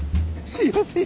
すいません。